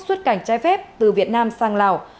xuất cảnh trái phép từ việt nam sang lào